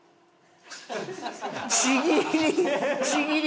ちぎり！